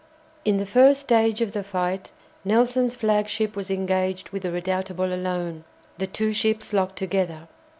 In the first stage of the fight Nelson's flagship was engaged with the "Redoutable" alone, the two ships locked together.